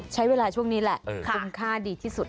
ใช้เวลาช่วงนี้แหละคุ้มค่าดีที่สุด